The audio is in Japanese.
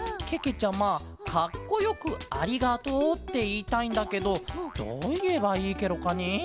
ちゃまかっこよく「ありがとう」っていいたいんだけどどういえばいいケロかねえ？